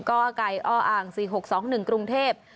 ก้าวอากายอ้ออ่าง๔๖๒๑กรุงเทพฯ